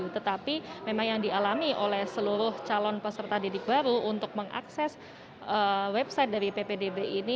tetapi memang yang dialami oleh seluruh calon peserta didik baru untuk mengakses website dari ppdb ini